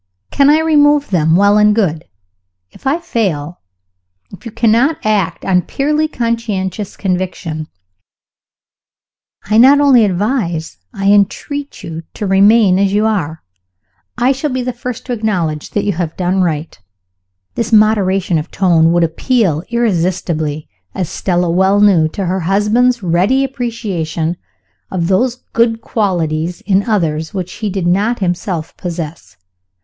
If I can remove them well and good. If I fail if you cannot act on purely conscientious conviction I not only advise, I entreat you, to remain as you are. I shall be the first to acknowledge that you have done right." (This moderation of tone would appeal irresistibly, as Stella well knew, to her husband's ready appreciation of those good qualities in others which he did not himself possess.